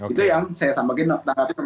itu yang saya sampaikan